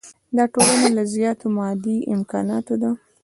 دا ټولنه له زیاتو مادي امکاناتو ده.